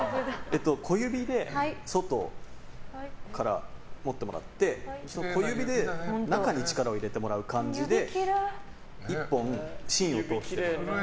小指で外から持ってもらって小指で中に力を入れてもらう感じで一本、芯を通して。